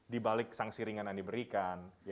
dibalik sanksi ringan yang diberikan